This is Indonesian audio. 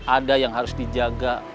ada yang harus dijaga